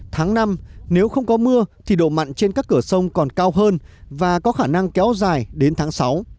tháng năm nếu không có mưa thì độ mặn trên các cửa sông còn cao hơn và có khả năng kéo dài đến tháng sáu